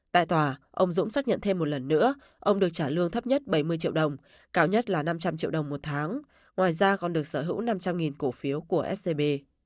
tại tòa ông dũng xác nhận thêm một lần nữa ông được trả lương thấp nhất bảy mươi triệu đồng cao nhất là năm trăm linh triệu đồng một tháng ngoài ra còn được sở hữu năm trăm linh cổ phiếu của scb